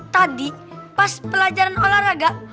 tadi pas pelajaran olahraga